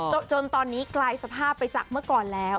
จนตอนนี้กลายสภาพไปจากเมื่อก่อนแล้ว